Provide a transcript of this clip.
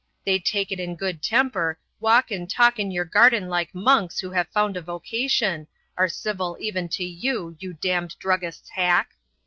They take it in good temper, walk and talk in your garden like monks who have found a vocation, are civil even to you, you damned druggists' hack!